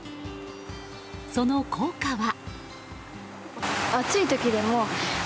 その効果は？